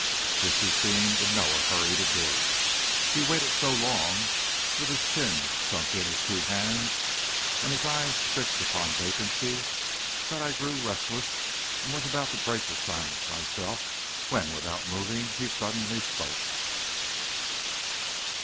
This he seemed in no hurry to do. He waited so long with his chin sunk in his two hands and his eyes fixed upon vacancy, that I grew restless and was about to break the silence myself, when, without moving, he suddenly spoke.